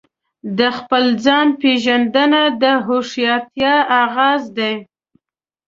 د خپل ځان پیژندنه د هوښیارتیا آغاز دی.